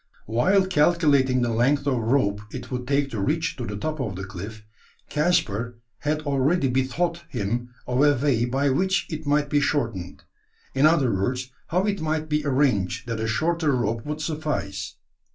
While calculating the length of rope it would take to reach to the top of the cliff, Caspar had already bethought him of a way by which it might be shortened in other words, how it might be arranged, that a shorter rope would suffice.